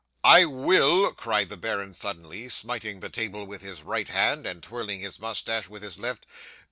'"I will!" cried the baron suddenly, smiting the table with his right hand, and twirling his moustache with his left.